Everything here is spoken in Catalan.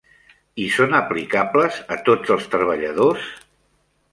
I són aplicables a tots els treballadors?